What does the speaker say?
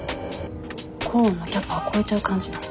コーンのキャパを超えちゃう感じなの。